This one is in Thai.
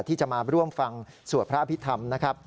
ที่จะมาร่วมฟังสวัสดิ์พระอภิษฐรรม